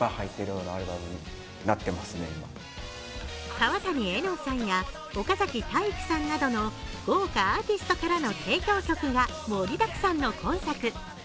川谷絵音さんや岡崎体育さんなどの豪華アーティストからの、提供曲が盛りだくさんの今作。